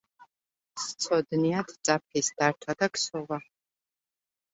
სცოდნიათ ძაფის დართვა და ქსოვა.